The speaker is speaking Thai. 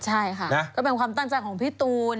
ใช่ค่ะก็เป็นความตั้งใจของพี่ตูน